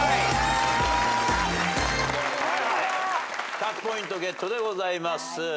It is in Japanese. １００ポイントゲットでございます。